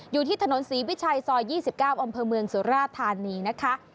อยู่ที่ถนนศรีวิชัยซอย๒๙อำเภอเมืองสุราธานีนะคะ